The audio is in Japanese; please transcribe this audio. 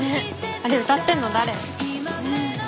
あれ歌ってんの誰？